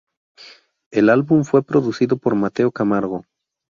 El álbum fue producido por Mateo Camargo.